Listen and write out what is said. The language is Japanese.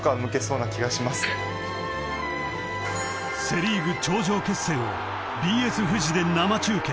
［セ・リーグ頂上決戦をＢＳフジで生中継］